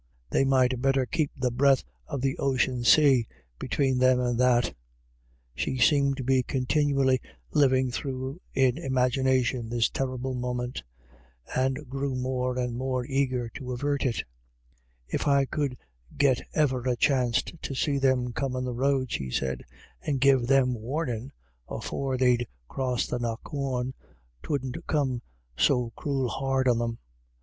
They might better keep the breadth of the ocean say between them and that" She seemed to be con tinually living through in imagination this terrible moment, and grew more and more eager to avert it "If I could get e'er a chanst to see them comin' the road," she said, " and give them warnin' afore they'd crossed the knockawn, 'twouldn't come so crool hard on them."